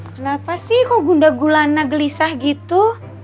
kenapa sih kok bunda gulana gelisah gitu